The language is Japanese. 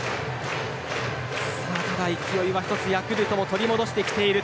ただ勢いはヤクルトも取り戻してきている。